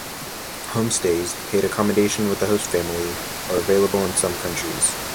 Homestays, paid accommodation with a host family, are available in some countries.